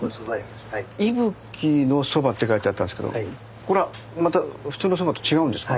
伊吹のそばって書いてあったんですけどこれはまた普通のそばと違うんですか？